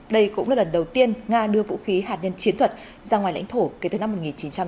đây cũng là lần đầu tiên nga đưa vũ khí hạt nhân chiến thuật ra ngoài lãnh thổ kể từ năm một nghìn chín trăm tám mươi